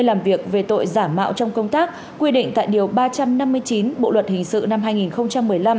làm việc về tội giả mạo trong công tác quy định tại điều ba trăm năm mươi chín bộ luật hình sự năm hai nghìn một mươi năm